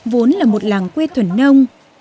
vốn là một làng quê thuần nông